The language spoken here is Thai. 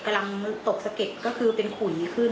กำลังตกสะเก็ดก็คือเป็นขุนขึ้น